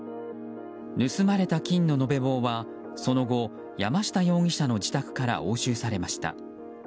盗まれた金の延べ棒は、その後山下容疑者の自宅から押収されました。